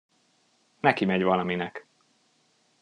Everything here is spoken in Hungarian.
Nekimegy valaminek.